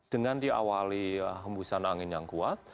dengan diawali hembusan angin yang kuat